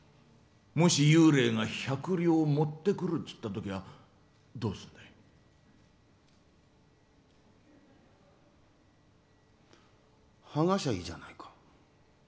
幽霊が１００両持ってくるって言った時はどうするんだい？はがしゃいいじゃないか。